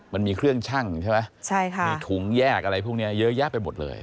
มันมีเครื่องชั่งถุงแยกอะไรพวกนี้เยอะแยะไปหมดเลย